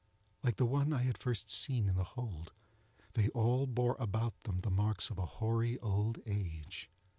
Like the one I had at first seen in the hold, they all bore about them the marks of a hoary old age.